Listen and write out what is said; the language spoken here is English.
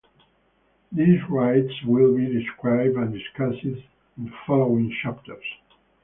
These rites will be described and discussed in the following chapters.